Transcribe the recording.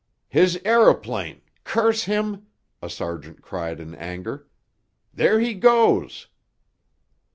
"His aëroplane, curse him!" a sergeant cried in anger. "There he goes!"